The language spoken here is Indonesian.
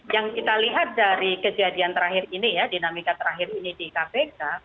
yang kita lihat dari kejadian terakhir ini ya dinamika terakhir ini di kpk